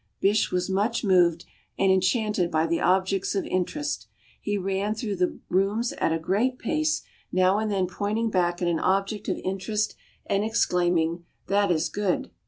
Bysshe was much moved, and enchanted by the objects of interest. He ran through the rooms at a great pace, now and then pointing back at an object of interest and exclaiming: "That is good."